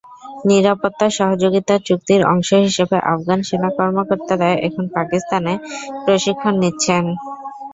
নিরাপত্তা সহযোগিতার চুক্তির অংশ হিসেবে আফগান সেনা কর্মকর্তারা এখন পাকিস্তানে প্রশিক্ষণ নিচ্ছেন।